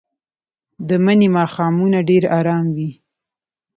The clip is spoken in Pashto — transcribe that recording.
د مني ماښامونه ډېر ارام وي